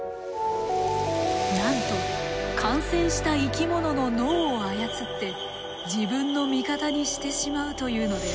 なんと感染した生き物の脳を操って自分の味方にしてしまうというのです。